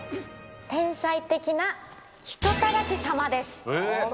天才的な人たらし様です。